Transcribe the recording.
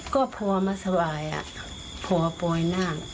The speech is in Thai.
ก็พ่อมาสวายอ่ะพ่อป่วยน่ะ